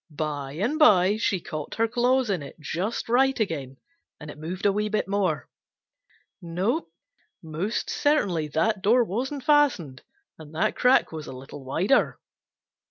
By and by she caught her claws in it just right again, and it moved a wee bit more. No, most certainly that door wasn't fastened, and that crack was a little wider.